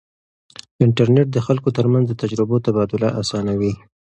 انټرنیټ د خلکو ترمنځ د تجربو تبادله اسانوي.